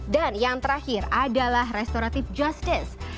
dan yang terakhir adalah restoratif justice